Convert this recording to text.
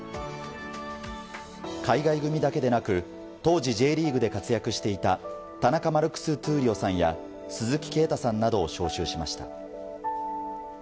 海外組だけでなく当時Ｊリーグで活躍していた田中マルクス闘莉王さんや鈴木啓太さんなどを招集しました。